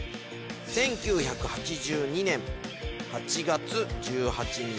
１９８２年８月１８日。